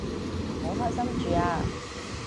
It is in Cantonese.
唔好開心住啊